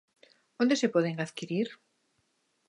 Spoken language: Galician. Onde se poden adquirir?